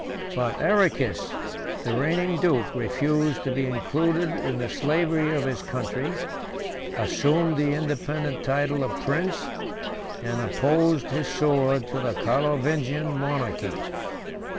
But Arrechis, the reigning duke, refused to be included in the slavery of his country; assumed the independent title of prince; and opposed his sword to the Carlovingian monarchy.